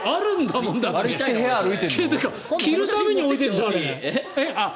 着るために置いてるんでしょ。